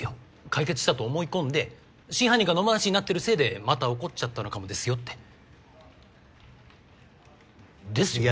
解決したと思い込んで真犯人が野放しになってるせいでまた起こっちゃったのかもですよって。ですよね？